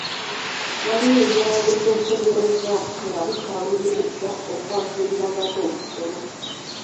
Waliwo ebirala bye twetegereza nga bikaluubiriza okwanjulira abato okusoma.